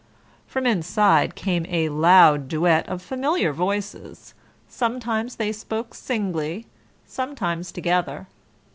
From inside came a loud duet of familiar voices; sometimes they spoke singly, sometimes together.